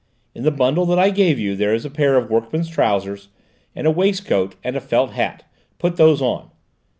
"In the bundle that I gave you there is a pair of workman's trousers, and a waistcoat and a felt hat; put those on.